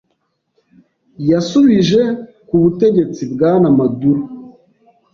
yasubije ku butegetsi Bwana Maduro.